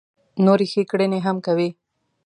نورې ښې کړنې هم کوي.